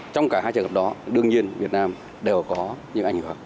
trong cả hai trường hợp đó đương nhiên việt nam đều có những ảnh hưởng